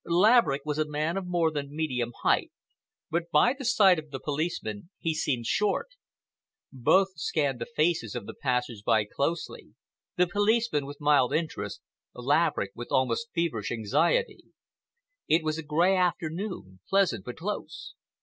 Laverick was a man of more than medium height, but by the side of the policeman he seemed short. Both scanned the faces of the passers by closely—the police man with mild interest, Laverick with almost feverish anxiety. It was a gray afternoon, pleasant but close.